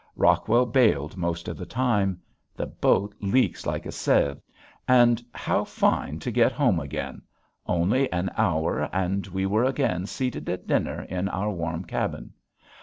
Rockwell bailed most of the time. The boat leaks like a sieve. [Illustration: IMMANENCE] And how fine to get home again! Only an hour and we were again seated at dinner in our warm cabin.